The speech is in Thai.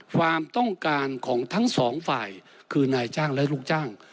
ความต้องการของทั้งสองฝ่ายคือนายจ้างและลูกจ้าง